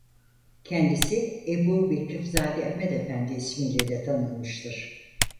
Kendisi Ebubekirzade Ahmed Efendi ismiyle de tanınmıştır.